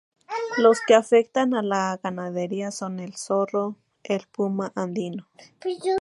Los que afectan a la ganadería son el zorro, el puma andino.